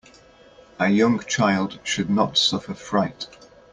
A young child should not suffer fright.